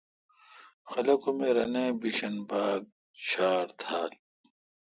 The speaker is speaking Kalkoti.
خلق ام اے رنے بھیشن بھاگ ڄھار تھال۔